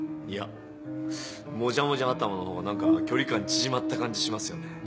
いやもじゃもじゃ頭の方が何か距離感縮まった感じしますよね。